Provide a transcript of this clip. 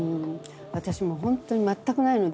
私もう本当に全くないので。